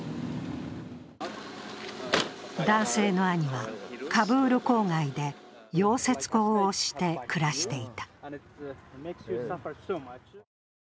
男性の兄は、カブール郊外で溶接工をして暮らしていた。